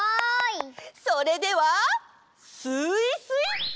それではスイスイっと！